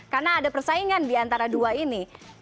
karena ada persaingan diantara dua ini